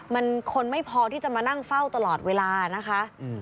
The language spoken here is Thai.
มันคนไม่พอที่จะมานั่งเฝ้าตลอดเวลานะคะ